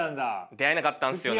出会えなかったんですよね。